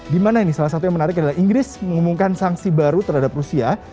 dimana ini salah satu yang menarik adalah inggris mengumumkan sanksi baru terhadap rusia